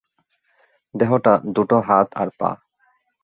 দেহটা, দুটো হাত আর পা।